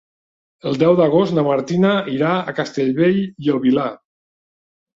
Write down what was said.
El deu d'agost na Martina irà a Castellbell i el Vilar.